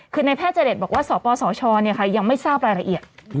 คือในแพทย์เจรตบอกว่าสปสชยังไม่ทราบรายละเอียด